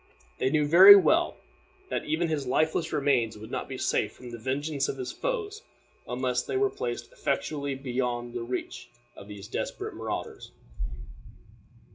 They knew very well that even his lifeless remains would not be safe from the vengeance of his foes unless they were placed effectually beyond the reach of these desperate marauders.